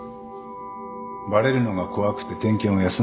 バレるのが怖くて点検を休んだな。